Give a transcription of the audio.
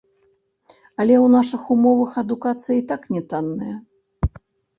Але ў нашых умовах адукацыя і так нятанная.